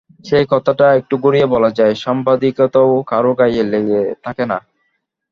সেই কথাটি একটু ঘুরিয়ে বলা যায়, সাম্প্রদায়িকতাও কারও গায়ে লেখা থাকে না।